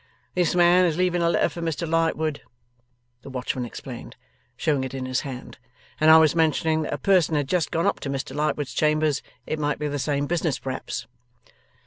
'This man is leaving a letter for Mr Lightwood,' the watchman explained, showing it in his hand; 'and I was mentioning that a person had just gone up to Mr Lightwood's chambers. It might be the same business perhaps?